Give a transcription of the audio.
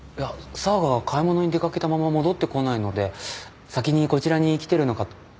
紗和が買い物に出掛けたまま戻ってこないので先にこちらに来てるのかと。